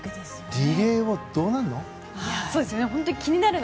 リレーはどうなるの？